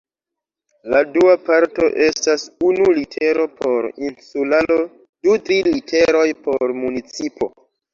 La dua parto estas unu litero por insularo du tri literoj por municipo.